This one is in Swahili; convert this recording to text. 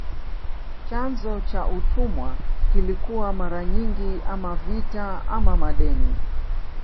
Chanzo cha utumwa kilikuwa mara nyingi ama vita ama madeni.